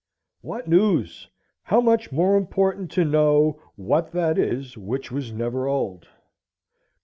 What news! how much more important to know what that is which was never old!